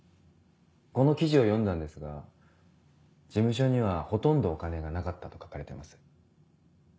この記事を読んだんですが事務所にはほとんどお金がなかったと書かれてます。